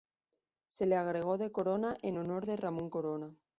Se le agregó ""de Corona"" en honor de Ramón Corona.